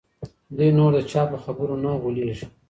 دوی نور د چا په خبرو نه غولیږي.